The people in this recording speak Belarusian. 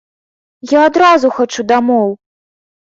Я адразу хачу дамоў!